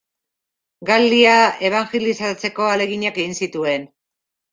Galia ebanjelizatzeko ahaleginak egin zituen.